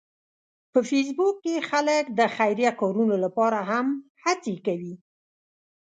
په فېسبوک کې خلک د خیریه کارونو لپاره هم هڅې کوي